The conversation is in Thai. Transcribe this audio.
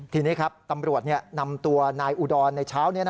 ทีนี้ครับตำรวจนำตัวนายอุดรในเช้า